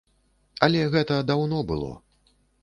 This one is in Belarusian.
Але гэта даўно было.